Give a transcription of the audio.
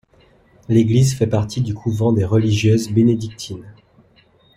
L'église fait partie du couvent des religieuses bénédictines.